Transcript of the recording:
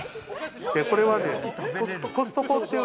これはコストコっていう。